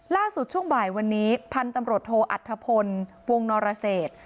ช่วงบ่ายวันนี้พันธุ์ตำรวจโทอัฐพลวงนรเศษ